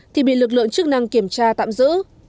thì bị lực lượng chức năng kiểm tra tạm giữ